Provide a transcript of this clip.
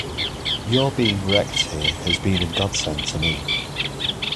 Your being wrecked here has been a godsend to me.